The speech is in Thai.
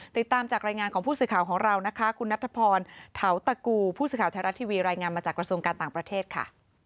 ติดตามจากรายงานของผู้สื่อข่าวของเรานะคะคุณนัทพรเทาตะกูผู้สื่อข่าวไทยรัฐทีวีรายงานมาจากกระทรวงการต่างประเทศค่ะ